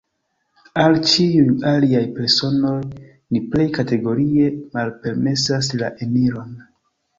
Al ĉiuj aliaj personoj ni plej kategorie malpermesas la eniron.